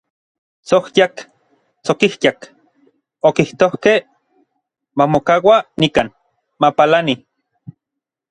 “Tsojyak, tsokijyak”, okijtokej, “mamokaua nikan, mapalani”.